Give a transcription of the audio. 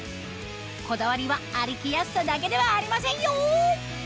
こだわりは歩きやすさだけではありませんよ